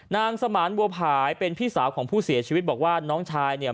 สมานบัวผายเป็นพี่สาวของผู้เสียชีวิตบอกว่าน้องชายเนี่ย